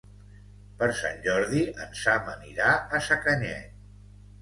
Per Sant Jordi en Sam anirà a Sacanyet.